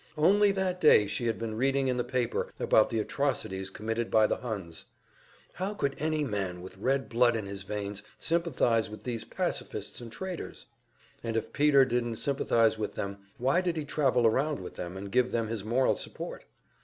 Only that day she had been reading in the paper about the atrocities committed by the Huns. How could any man with red blood in his veins sympathize with these pacifists and traitors? And if Peter didn't sympathize with them, why did he travel round with them and give them his moral support?